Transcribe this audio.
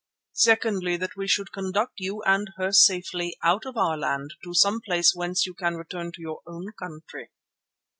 Secondly, that we should conduct you and her safely out of our land to some place whence you can return to your own country.